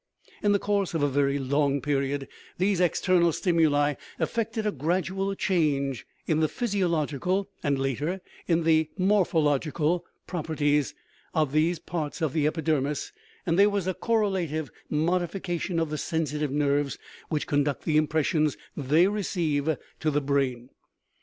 In the course of a very long period these external stimuli effected a gradual change in the physiological, and later in the morpho logical, properties of these parts of the epidermis, and there was a correlative modification of the sensitive nerves which conduct the impressions they receive to the brain.